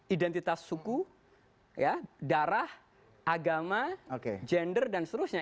identitas suku darah agama gender dan seterusnya